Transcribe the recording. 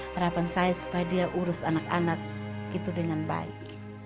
harapan saya supaya dia urus anak anak gitu dengan baik